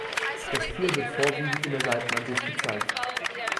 Das Tier wird vorwiegend in der Seitenansicht gezeigt.